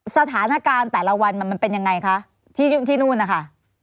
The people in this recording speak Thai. สถานการณ์แต่ละวันมันเป็นยังไงคะที่นู่นนะคะ